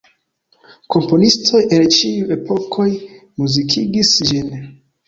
Komponistoj el ĉiuj epokoj muzikigis ĝin.